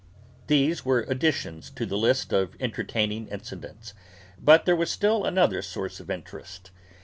These were additions to the list of entertaining incidents, but there was still another source of interest.